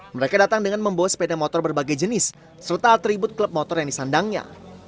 mereka datang dengan membawa sepeda motor berbagai jenis serta atribut klub motor yang disandangnya